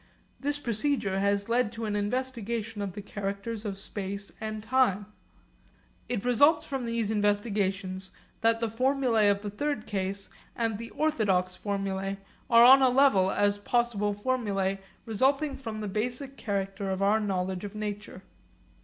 This procedure has led us to an investigation of the characters of space and time. It results from these investigations that the formulae of the third case and the orthodox formulae are on a level as possible formulae resulting from the basic character of our knowledge of nature.